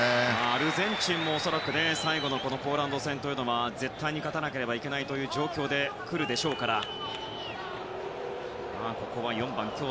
アルゼンチンも恐らく最後のポーランド戦は絶対に勝たなければいけない状況で来るでしょうからね。